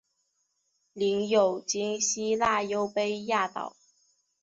领有今希腊优卑亚岛。